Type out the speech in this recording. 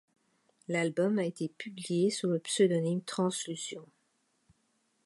L'album a été publié sous le pseudonyme Transllusion.